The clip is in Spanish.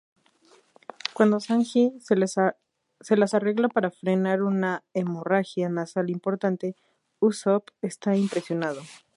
Cuando Sanji se las arregla para frenar una hemorragia nasal importante, Usopp está impresionado.